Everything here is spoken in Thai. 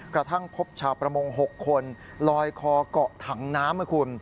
กระทั่งพบชาวประมง๖คนลอยคอกะถังน้ำ